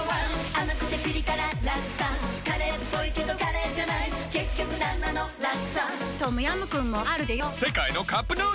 甘くてピリ辛ラクサカレーっぽいけどカレーじゃない結局なんなのラクサトムヤムクンもあるでヨ世界のカップヌードル